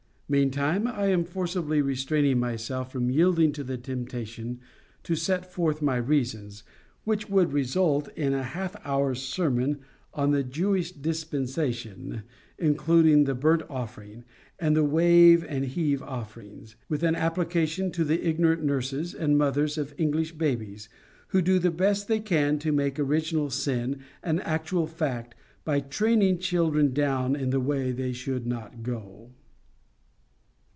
Meantime, I am forcibly restraining myself from yielding to the temptation to set forth my reasons, which would result in a half hour's sermon on the Jewish dispensation, including the burnt offering, and the wave and heave offerings, with an application to the ignorant nurses and mothers of English babies, who do the best they can to make original sin an actual fact by training children down in the way they should not go.